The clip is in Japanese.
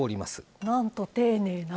なんと丁寧な。